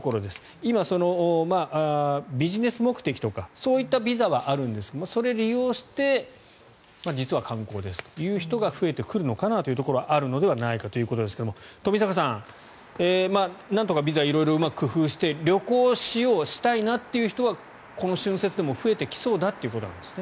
今、ビジネス目的とかそういったビザはあるんですがそれを利用して実は観光ですという人が増えてくるのかなというところはあるのではないかということですが冨坂さん、なんとかビザを色々うまく工夫して旅行をしようしたいなという人はこの春節でも増えてきそうだということですね。